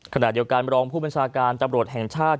ขณะเดียวกันรองผู้บัญชาการตำรวจแห่งชาติ